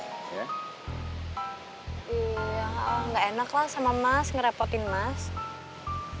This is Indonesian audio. enggak enak lah sama mas ngerepotin mas